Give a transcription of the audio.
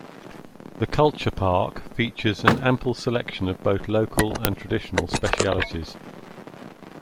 The Culture Park features an ample selection of both local and traditional specialities.